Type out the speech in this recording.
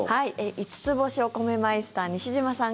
五ツ星お米マイスター西島さん